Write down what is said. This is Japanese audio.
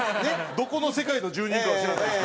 どこの世界の住人かは知らないですけど。